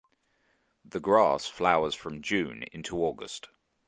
The grass flowers from June into August.